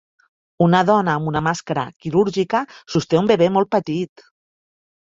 Una dona amb una màscara quirúrgica sosté un bebè molt petit.